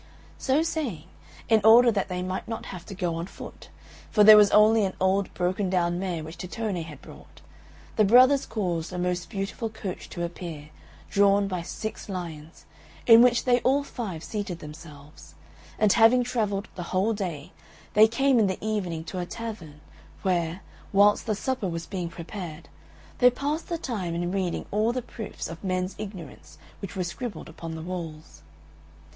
So saying, in order that they might not have to go on foot for there was only an old broken down mare which Tittone had brought the brothers caused a most beautiful coach to appear, drawn by six lions, in which they all five seated themselves; and having travelled the whole day, they came in the evening to a tavern, where, whilst the supper was being prepared, they passed the time in reading all the proofs of men's ignorance which were scribbled upon the walls.